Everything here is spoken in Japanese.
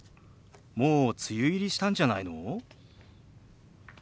もう梅雨入りしたんじゃないの？